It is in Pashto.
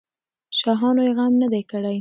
شاهانو یې غم نه دی کړی.